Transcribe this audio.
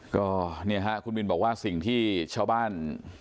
ก็เนี่ยฮะคุณบินบอกว่าสิ่งที่ชาวบ้าน